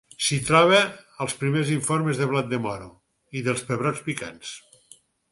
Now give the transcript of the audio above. S’hi troba els primers informes del blat de moro i dels pebrots picants.